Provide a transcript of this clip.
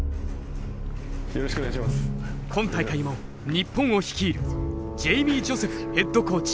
今大会も日本を率いるジェイミー・ジョセフヘッドコーチ。